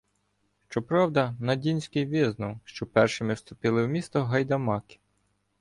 Щоправда, Надінський визнав, що першими вступили в місто «гайдамаки».